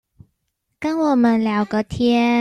跟我們聊個天